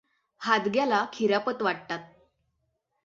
हादग्याला खिरापत वाटतात.